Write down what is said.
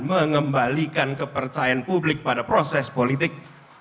mengembalikan kepercayaan publik pada proses politik